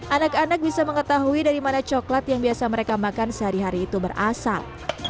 anak anak bisa mengetahui dari mana coklat yang biasa mereka makan sehari hari itu berasal